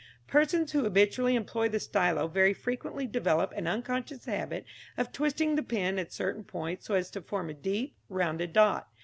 Persons who habitually employ the stylo very frequently develop an unconscious habit of twisting the pen at certain points so as to form a deep, rounded dot.